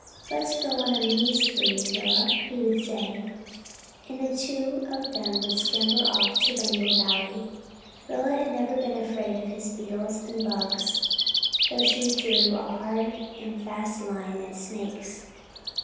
"Let's go on a moon spree, Rilla," he would say, and the two of them would scamper off to Rainbow Valley. Rilla had never been afraid of his beetles and bugs, though she drew a hard and fast line at snakes.